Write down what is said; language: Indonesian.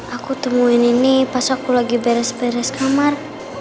aku temuin ini pas aku lagi beres beres kamar